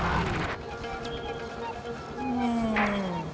うん。